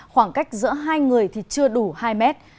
khoảng cách giữa hai người thì chưa đủ hai mét